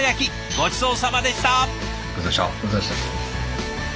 ごちそうさまでした。